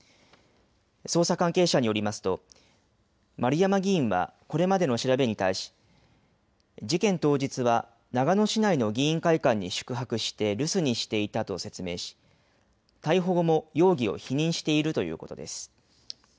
捜査関係者によりますと丸山議員はこれまでの調べに対し事件当日は長野市内の議員会館に宿泊して留守にしていたと説明し逮捕後も容疑を否認しているということです。